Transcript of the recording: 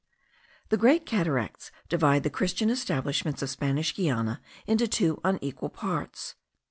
The Great Cataracts divide the Christian establishments of Spanish Guiana into two unequal parts.